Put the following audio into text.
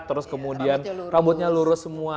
terus kemudian rambutnya lurus semua